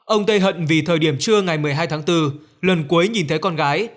ông tây hận vì thời điểm trưa ngày một mươi hai tháng bốn lần cuối nhìn thấy con gái